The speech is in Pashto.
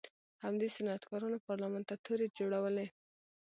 همدې صنعتکارانو پارلمان ته تورې جوړولې.